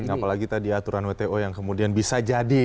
apalagi tadi aturan wto yang kemudian bisa jadi